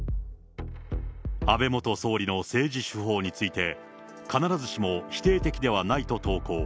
安倍元総理の政治手法について、必ずしも否定的ではないと投稿。